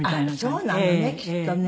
あっそうなのねきっとね。